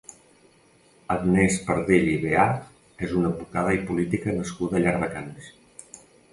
Agnès Pardell i Veà és una advocada i política nascuda a Llardecans.